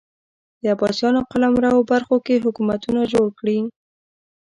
د عباسیانو قلمرو برخو کې حکومتونه جوړ کړي